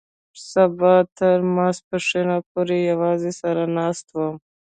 سبا تر ماسپښينه پورې يوازې سر ناست وم.